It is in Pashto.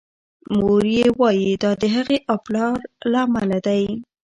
مور یې وايي دا د هغې او پلار له امله دی.